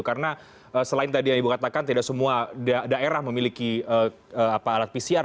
karena selain tadi yang ibu katakan tidak semua daerah memiliki alat pcr